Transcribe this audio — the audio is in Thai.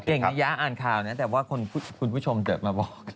เก่งน่ะย้าอ่านข่าวนี้แต่ว่าคุณผู้ชมเจอมาบอก